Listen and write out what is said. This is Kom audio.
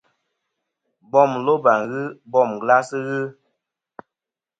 Bom loba ghɨ, bom glas ghɨ.